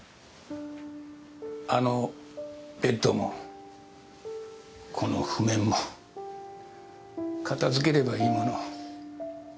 あのベッドもこの譜面も片づければいいものを。